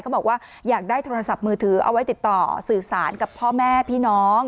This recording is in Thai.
บอกว่าอยากได้โทรศัพท์มือถือเอาไว้ติดต่อสื่อสารกับพ่อแม่พี่น้อง